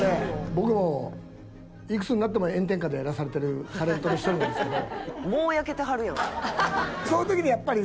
僕もいくつになっても炎天下でやらされてるタレントの一人なんですけど。